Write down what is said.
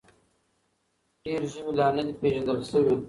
ډېر ژوي لا نه دي پېژندل شوي.